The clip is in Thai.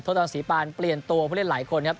ทดลองศรีปานเปลี่ยนตัวพวกทหารหลายคนครับ